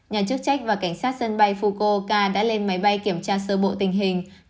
nhà chức trách và cảnh sát sân bay fukoka đã lên máy bay kiểm tra sơ bộ tình hình